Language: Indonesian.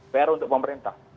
pr untuk pemerintah